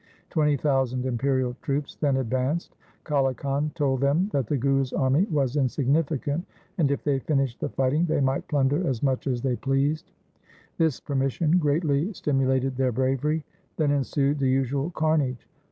Twenty thousand imperial troops then advanced. Kale Khan told them that the Guru's army was insignificant, and, if they finished the fighting, they might plunder as much as they pleased. This permission greatly stimulated their bravery. Then ensued the usual carnage.